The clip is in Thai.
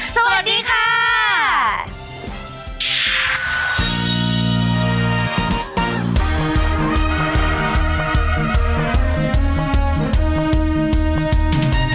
สวัสดีค่ะ